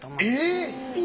えっ。